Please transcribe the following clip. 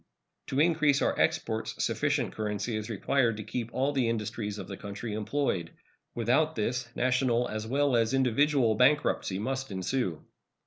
To increase our exports sufficient currency is required to keep all the industries of the country employed. Without this national as well as individual bankruptcy must ensue.